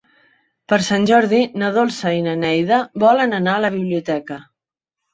Per Sant Jordi na Dolça i na Neida volen anar a la biblioteca.